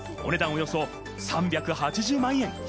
およそ３８０万円。